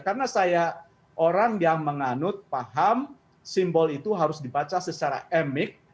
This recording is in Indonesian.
karena saya orang yang menganut paham simbol itu harus dibaca secara emik